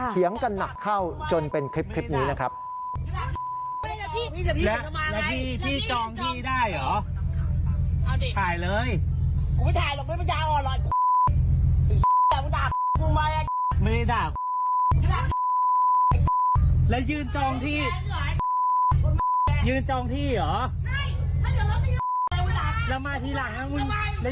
เถียงกันหนักเข้าจนเป็นคลิปนี้นะครับ